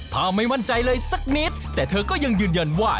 ถ้าไม่มั่นใจเลยสักนิดแต่เธอก็ยังยืนยันว่า